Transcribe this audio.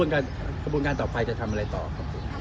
กระบวนการต่อไปจะทำอะไรต่อครับผม